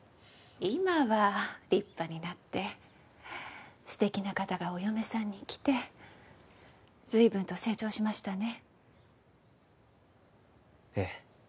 今は立派になって素敵な方がお嫁さんに来て随分と成長しましたねええ